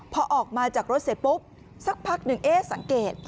พอออกมาจากรถเสร็จปุ๊บสักพักหนึ่งเอ๊ะสังเกต